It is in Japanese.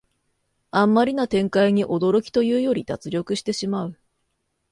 あんまりな展開に驚きというより脱力してしまう